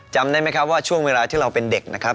จำได้ไหมครับว่าช่วงเวลาที่เราเป็นเด็กนะครับ